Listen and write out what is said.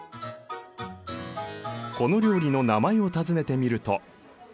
この料理の名前を尋ねてみると。